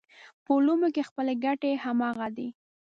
په علومو کې خپلې ګټې همغه دي.